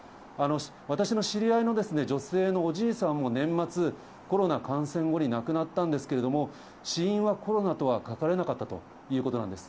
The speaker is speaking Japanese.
私の知り合いの女性のおじいさんも年末、コロナ感染後に亡くなったんですけれども、死因はコロナとは書かれなかったということなんです。